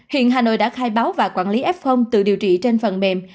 hiện hà nội đã khai báo và quản lý f tự điều trị trên phần mềm